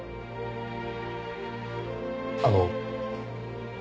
あの。